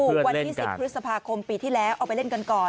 วันที่๑๐พฤษภาคมปีที่แล้วเอาไปเล่นกันก่อน